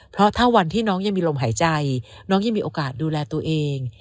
เพราะถ้าวันที่น้องยังมีลมหายใจน้องยังมีโอกาสดูแลตัวเอง